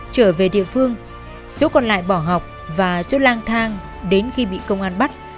trở về địa phương số còn lại bỏ học và số lang thang đến khi bị công an bắt